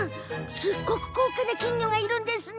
すごく高価な金魚がいるんですね。